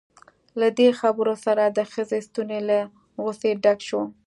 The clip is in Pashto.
له دې خبرو سره د ښځې ستونی له غصې ډک شو.